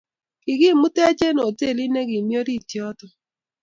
Kikimutech eng hotelit nekimi orit yoto